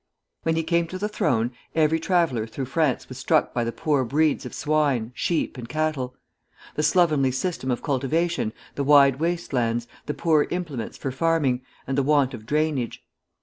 When he came to the throne, every traveller through France was struck by the poor breeds of swine, sheep, and cattle; the slovenly system of cultivation, the wide waste lands, the poor implements for farming, and the want of drainage.